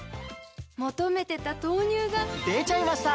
求めてた豆乳がでちゃいました！